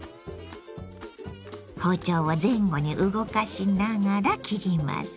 包丁を前後に動かしながら切ります。